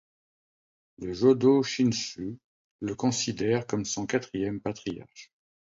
Le Jōdo shinshū le considère comme son quatrième patriarche.